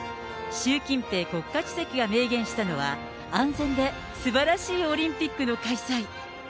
習近平国家主席が明言したのは、安全ですばらしいオリンピックの開催。